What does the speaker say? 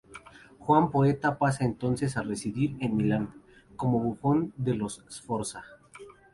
Juan Poeta pasa entonces a residir en Milán como bufón de los Sforza.